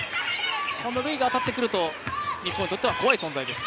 ルイが当たってくると日本にとっては怖い存在です。